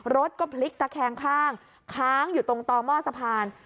รถก็พลิกตะแคงข้างค้างอยู่ตรงต่อหม้อสะพาน